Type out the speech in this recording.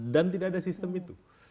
dan tidak ada sistem itu